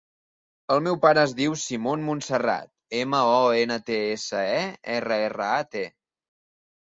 El meu pare es diu Simon Montserrat: ema, o, ena, te, essa, e, erra, erra, a, te.